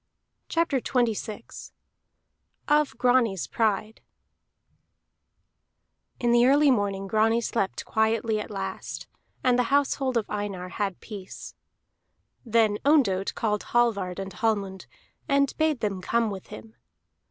CHAPTER XXVI OF GRANI'S PRIDE In the early morning Grani slept quietly at last, and the household of Einar had peace. Then Ondott called Hallvard and Hallmund, and bade them come with him.